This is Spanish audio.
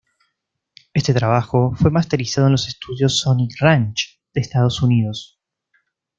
Este trabajo, fue masterizado en los estudios "Sonic Ranch", en Estados Unidos.